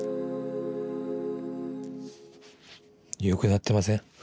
よくなってません？